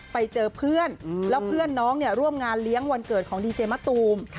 ไปเจอเพื่อนแล้วเพื่อนน้องเนี่ยร่วมงานเลี้ยงวันเกิดของดีเจมะตูม